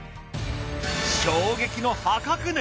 衝撃の破格値。